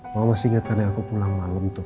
mama masih inget tadi aku pulang malem tuh